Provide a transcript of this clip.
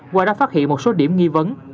và đã phát hiện một số điểm nghi vấn